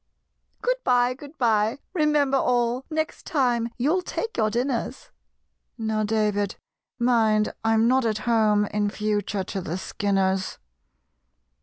"Good bye! good bye! remember all, Next time you'll take your dinners! (Now, David, mind I'm not at home In future to the Skinners!")